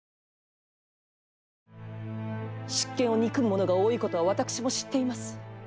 執権を憎む者が多いことは私も知っています。